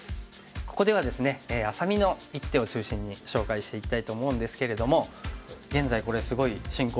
ここではですねあさみの一手を中心に紹介していきたいと思うんですけれども現在これすごい進行